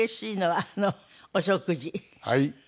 はい。